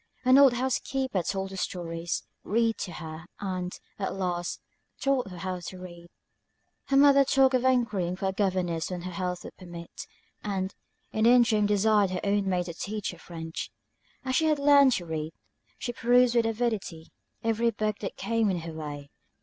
An old house keeper told her stories, read to her, and, at last, taught her to read. Her mother talked of enquiring for a governess when her health would permit; and, in the interim desired her own maid to teach her French. As she had learned to read, she perused with avidity every book that came in her way.